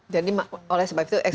jadi oleh sebab itu